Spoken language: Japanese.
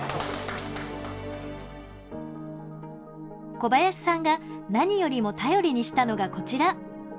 小林さんが何よりも頼りにしたのがこちら。